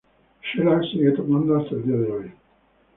Shellac sigue tocando hasta el día de hoy.